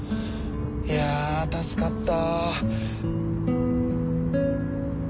いや助かった。